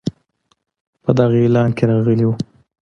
په دغه اعلان کې راغلی وو.